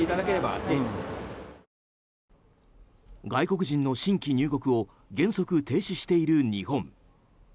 外国人の新規入国を原則停止している日本。